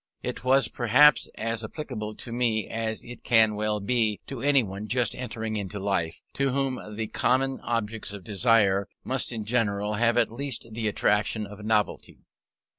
It was perhaps as applicable to me as it can well be to anyone just entering into life, to whom the common objects of desire must in general have at least the attraction of novelty.